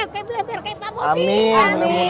doakan biar kayak beli beli kayak pak bobi